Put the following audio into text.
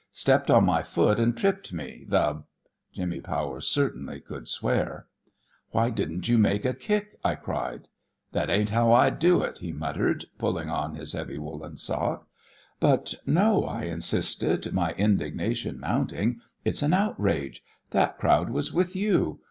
Stepped on my foot and tripped me, the " Jimmy Powers certainly could swear. "Why didn't you make a kick?" I cried. "That ain't how I do it," he muttered, pulling on his heavy woollen sock. "But no," I insisted, my indignation mounting. "It's an outrage! That crowd was with you.